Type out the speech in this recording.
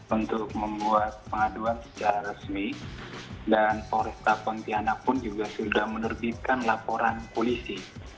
untuk membuat pengaduan secara resmi dan polresta pontianak pun juga sudah menerbitkan laporan polisi